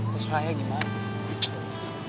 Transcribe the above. terus raya gimana